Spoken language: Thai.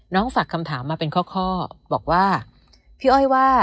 ฝากคำถามมาเป็นข้อบอกว่าพี่อ้อยว่า